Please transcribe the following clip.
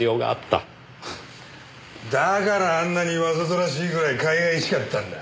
だからあんなにわざとらしいぐらいかいがいしかったんだ。